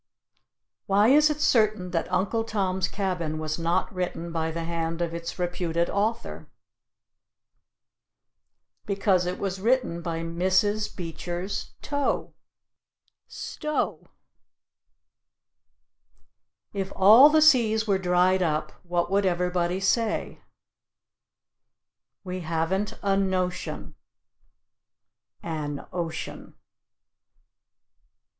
Why is it certain that "Uncle Tom's Cabin" was not written by the hand of its reputed author? Because it was written by Mrs. Beecher's toe (Stowe). If all the seas were dried up, what would everybody say? We haven't a notion (an ocean).